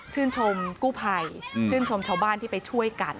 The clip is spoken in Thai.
ชมกู้ภัยชื่นชมชาวบ้านที่ไปช่วยกัน